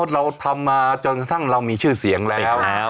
เราทำมาจนกระทั่งเรามีชื่อเสียงแล้ว